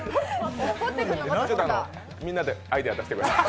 ちょっとあのみんなでアイデア出してください。